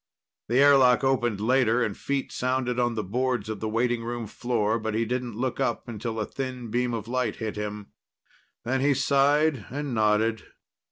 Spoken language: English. The airlock opened later, and feet sounded on the boards of the waiting room floor, but he didn't look up until a thin beam of light hit him. Then he sighed and nodded.